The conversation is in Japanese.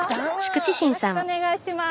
よろしくお願いします。